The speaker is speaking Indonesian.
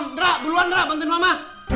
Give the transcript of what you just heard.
waalaikumsalam berluan bantuin mama